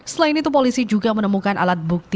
selain itu polisi juga menemukan alat bukti